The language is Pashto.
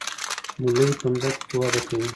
ملی په ځمکه کې وده کوي